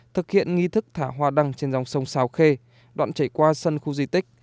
thực hiện nghi thức thả hoa đăng trên dòng sông xào khê đoạn chảy qua sân khu di tích